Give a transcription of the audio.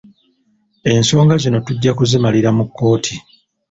Ensonga zino tujja kuzimalira mu kkooti.